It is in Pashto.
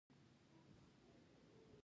پیرودونکی له دوکانه په موسکا ووت.